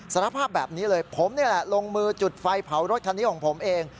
สารภาพแบบนี้เลยผมนี่แหละลงมือจุดไฟเผารถคันนี้ของผมเอง